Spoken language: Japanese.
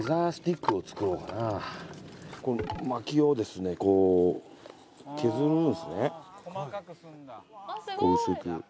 この薪をですねこう削るんですね薄く。